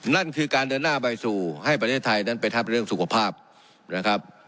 นั่นคือการเดินหน้าไปสู่ให้ประเทศไทยนั้นไปทับเรื่องสุขภาพนะครับ